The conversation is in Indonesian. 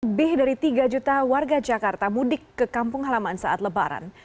lebih dari tiga juta warga jakarta mudik ke kampung halaman saat lebaran